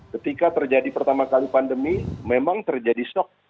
ketika terjadi pertama kali pandemi memang terjadi shock